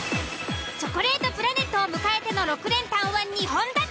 チョコレ―トプラネットを迎えての６連単は２本立て。